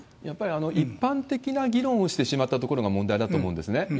やっぱり一般的な議論をしてしまったところが問題だと思うんですね。